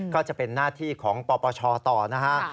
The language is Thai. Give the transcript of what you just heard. ก็จะเป็นหน้าที่ของปปชต่อนะฮะ